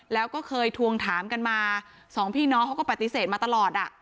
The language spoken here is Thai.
แล้วก็เคยทวงถามกันมาสองพี่น้องเขาก็ปฏิเสธมาตลอดอ่ะ